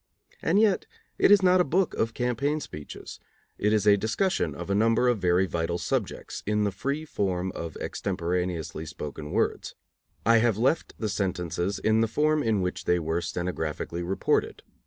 And yet it is not a book of campaign speeches. It is a discussion of a number of very vital subjects in the free form of extemporaneously spoken words. I have left the sentences in the form in which they were stenographically reported.